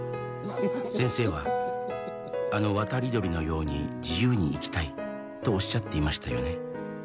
「先生はあの渡り鳥のように自由に生きたい」「とおっしゃっていましたよね」